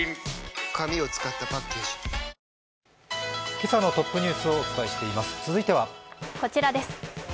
今朝のトップニュースをお伝えしています。